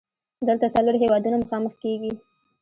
دلته څلور هیوادونه مخامخ کیږي.